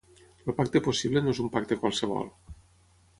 El pacte possible no és un pacte qualsevol.